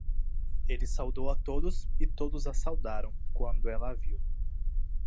Ele saudou a todos e todos a saudaram quando ela a viu.